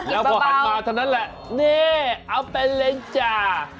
แล้วพอหันมาเท่านั้นแหละนี่เอาเป็นเลยจ้า